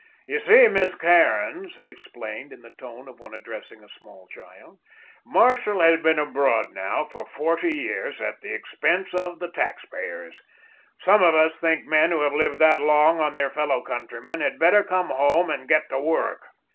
You see, Miss Cairns," he explained, in the tone of one addressing a small child, "Marshall has been abroad now for forty years, at the expense of the taxpayers. Some of us think men who have lived that long on their fellow countrymen had better come home and get to work."